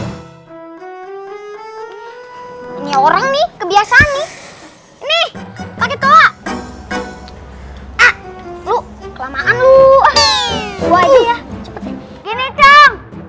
ini orang nih kebiasaan nih nih pakai toa lu kelamaan lu